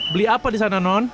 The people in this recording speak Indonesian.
beli apa di sana non